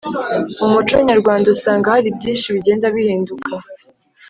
mu muco nyarwanda usanga hari byinshi bigenda bihinduka